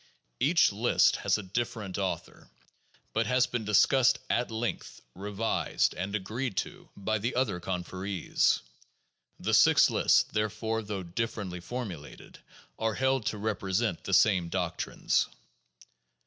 Each list has a dif 393 394 THE JOURNAL OF PHILOSOPHY ferent author, but has been discussed at length, revised, and agreed to by the other conferees. The six lists, therefore, though differently formulated, are held to represent the same doctrines.